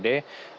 dan yang kedua dpd